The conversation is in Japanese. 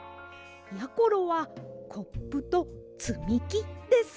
やころはコップとつみきです。